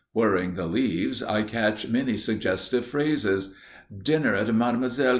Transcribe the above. Whirring the leaves I catch many suggestive phrases: "_Dinner at Mme.